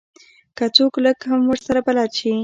که څوک لږ هم ورسره بلد شي.